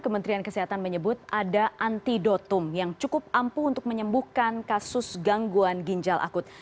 kementerian kesehatan menyebut ada antidotum yang cukup ampuh untuk menyembuhkan kasus gangguan ginjal akut